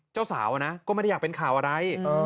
เจ้าสาวนะก็ไม่ได้อยากเป็นข่าวอะไร